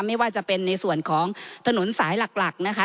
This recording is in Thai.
ไม่ว่าจะเป็นในส่วนของถนนสายหลักนะคะ